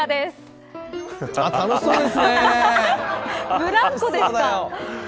ブランコですか。